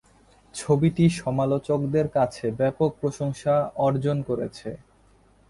ছবিটি সমালোচকদের কাছে ব্যাপক প্রশংসা অর্জন করেছে।